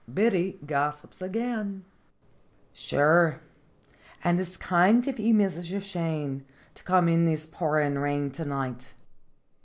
BIDDY GOSSIPS AGAIN. "Sure, an' it's kind of ye, Mrs. O'Shane, to come in this pourin' rain to night.